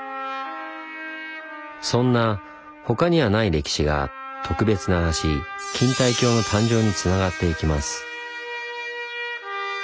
そんな他にはない歴史が特別な橋錦帯橋の誕生につながっていきます。